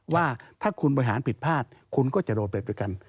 ว่าถ้าคุณบริหารผิดพลาดคุณก็จะโดนไปด้วยกัน